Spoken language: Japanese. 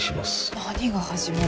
何が始まるの？